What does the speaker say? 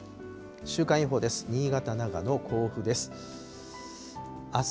週間予報です。